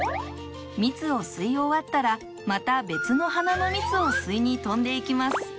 蜜を吸い終わったらまた別のはなの蜜を吸いに飛んでいきます。